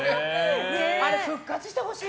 あれ、復活してほしい。